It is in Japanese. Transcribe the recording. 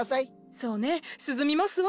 そうね涼みますわ。